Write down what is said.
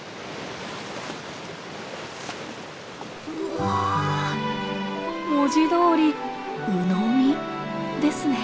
うわ文字どおり「うのみ」ですね。